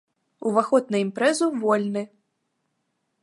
Уваход на імпрэзу вольны!